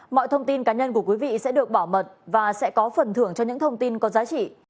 mọi thông tin cá nhân của quý vị sẽ được bảo mật và sẽ có phần thưởng cho những thông tin có giá trị